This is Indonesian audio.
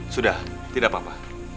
sudah tidak apa apa